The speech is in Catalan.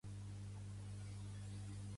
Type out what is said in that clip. Pertany al moviment independentista la Kenia?